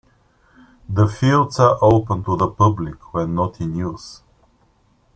The fields are open to the public when not in use.